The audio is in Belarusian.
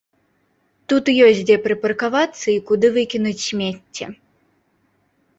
Тут ёсць дзе прыпаркавацца і куды выкінуць смецце.